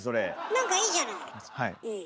何かいいじゃないうん。